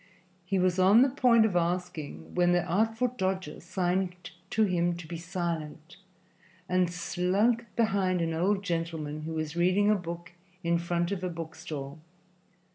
He was on the point of asking, when the Artful Dodger signed to him to be silent, and slunk behind an old gentleman who was reading a book in front of a book stall.